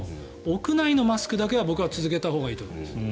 屋内のマスクだけは僕は続けたほうがいいと思います。